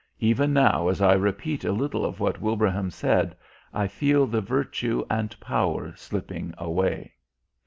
Even now as I repeat a little of what Wilbraham said I feel the virtue and power slipping away.